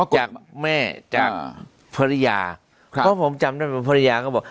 จากแม่จากภรรยาครับเพราะผมจำได้ว่าภรรยาก็บอก